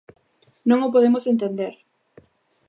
Non o podemos entender.